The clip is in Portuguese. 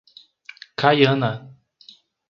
Caiana